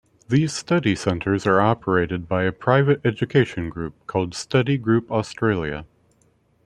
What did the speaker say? These study centres are operated by a private education group called Study Group Australia.